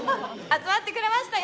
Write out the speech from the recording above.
集まってくれました！